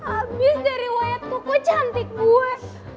abis dari wayat koko cantik gue